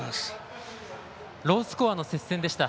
ロースコアの接戦でした。